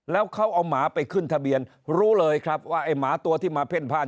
แล้วเขาเอาหมาไปขึ้นทะเบียนรู้เลยครับว่าไอ้หมาตัวที่มาเพ่นผ้าน